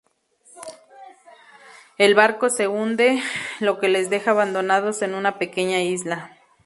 El barco se hunde, lo que les deja abandonados en una pequeña isla.